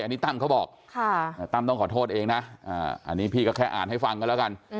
อันนี้ตั้มเขาบอกตั้มต้องขอโทษเองนะอันนี้พี่ก็แค่อ่านให้ฟังกันแล้วกัน